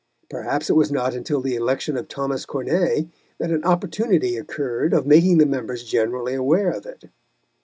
Perhaps it was not until the election of Thomas Corneille that an opportunity occurred of making the members generally aware of it.